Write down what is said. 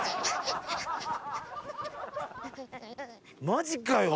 マジかよ